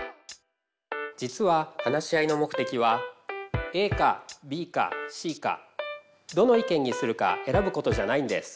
実は話し合いの目的はＡかＢかＣかどの意見にするか選ぶことじゃないんです。